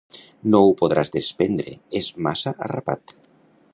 No ho podràs desprendre: és massa arrapat.